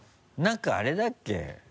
何かあれだっけ？